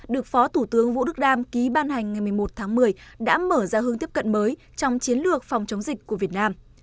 được phó thủ tướng vũ đức đam ký ban hành ngày một mươi một tháng một mươi đã mở ra hướng tiếp cận mới trong chiến lược phòng chống dịch của việt nam